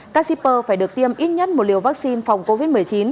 các shipper phải được tiêm ít nhất một liều vaccine phòng covid một mươi chín